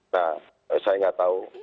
nah saya gak tau